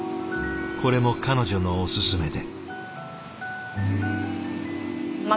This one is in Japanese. これも彼女のおすすめで。